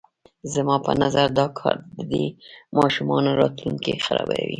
زما په نظر دا کار د دې ماشومانو راتلونکی خرابوي.